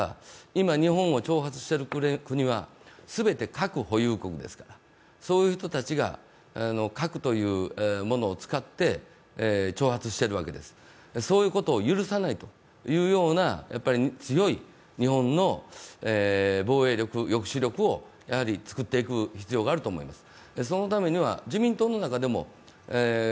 今、日本を挑発している国は全て核保有国ですから、そういう人たちが核というものを使って挑発してるわけです、そういうことを許さないというような強い日本の防衛力、抑止力を作っていく必要があると思います。